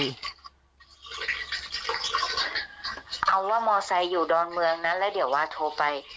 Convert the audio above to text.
เอาว่ามอไซค์อยู่ดอนเมืองนะแล้วเดี๋ยวว่าโทรไป